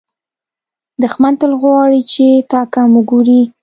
دښمن تل غواړي چې تا کم وګوري